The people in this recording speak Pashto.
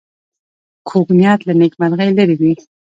کوږ نیت له نېکمرغۍ لرې وي